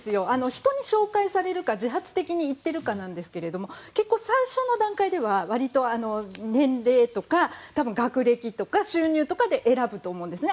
人に紹介されるか自発的にいってるかなんですけど結構、最初の段階では割と年齢とか学歴とか収入とかで選ぶと思うんですね。